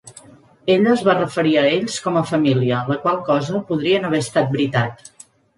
Ella es va referir a ells com a família, la qual cosa podria no haver estat veritat.